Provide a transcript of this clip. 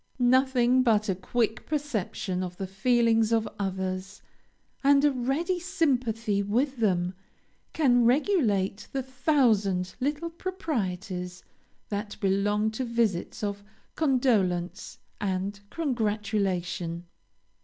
Nothing but a quick perception of the feelings of others, and a ready sympathy with them, can regulate the thousand little proprieties that belong to visits of condolence and congratulation.